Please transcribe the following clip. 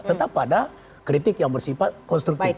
tetap pada kritik yang bersifat konstruktif